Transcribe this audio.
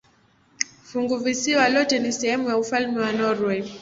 Funguvisiwa lote ni sehemu ya ufalme wa Norwei.